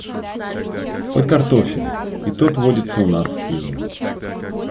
Хоть картофель — и тот вводился у нас силой.